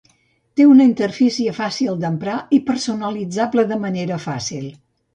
Té una interfície fàcil d'emprar i personalitzable de manera fàcil.